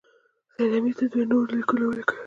سید امیر ته دوه نور لیکونه ولیکل.